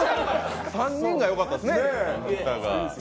３人がよかったですね。